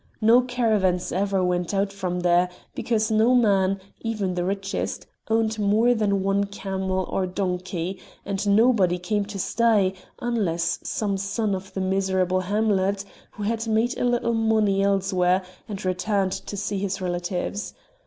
No caravans ever went out from there, because no man, even the richest, owned more than one camel or donkey; and nobody came to stay, unless some son of the miserable hamlet, who had made a little money elsewhere, and returned to see his relatives.